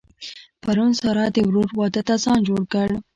پرون سارا د ورور واده ته ځان جوړ کړ.